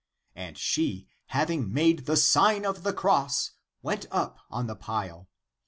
And she, having made the sign of the cross, went up on the pile.